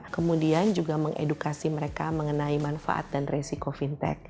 kemudian juga mengedukasi mereka mengenai manfaat dan resiko fintech